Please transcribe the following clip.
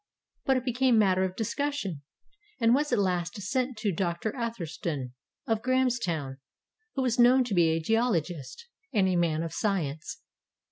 But it became matter of discussion, and was at last sent to Dr. Ather stone, of Grahamstown, who was known to be a geologist 437 SOUTH AFRICA and a man of science.